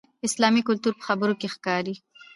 اسلامي کلتور په خبرو کې ښکاري.